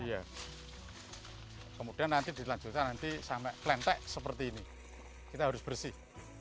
iya kemudian nanti dilanjutkan nanti sampai klenteng seperti ini kita harus bersih